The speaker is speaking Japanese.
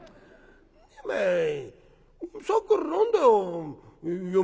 「何お前さっきから何だよ？